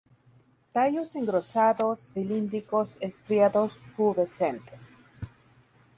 Tallos engrosados, cilíndricos, estriados pubescentes.